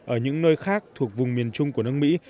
ở những nơi khác thuộc vùng miền trung của nước mỹ